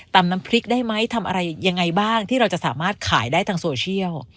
น้ำพริกได้ไหมทำอะไรยังไงบ้างที่เราจะสามารถขายได้ทางโซเชียล